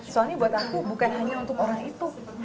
soalnya buat aku bukan hanya untuk orang itu